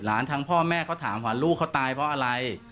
ทั้งพ่อแม่เขาถามว่าลูกเขาตายเพราะอะไร